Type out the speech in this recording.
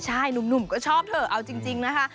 ใช่หนุ่มก็ชอบเถอะเอาจริงนะคะ